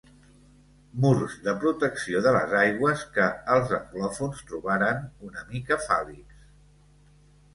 Murs de protecció de les aigües que els anglòfons trobaran una mica fàl·lics.